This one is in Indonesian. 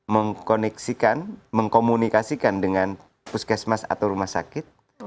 mengkoneksikan mengkomunikasikan dengan puskesmas atau rumah sakit